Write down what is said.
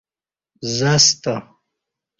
زستہ